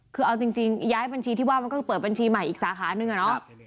คือเอาจริงย้ายดีกว่ามันก็เปิดบัญชีใหม่อีกสาขาหนึ่งเนาะ